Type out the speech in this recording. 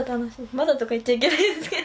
「まだ」とか言っちゃいけないですけど。